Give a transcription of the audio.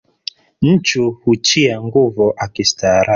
Nchu huchia nguvo akistarabu.